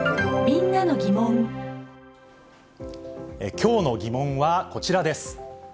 きょうのギモンはこちらです。